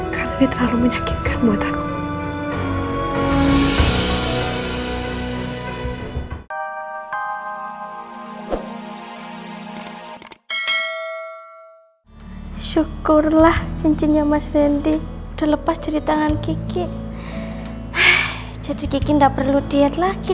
karena ini terlalu menyakitkan buat aku